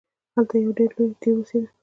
هلته یو ډیر لوی دیو اوسیده.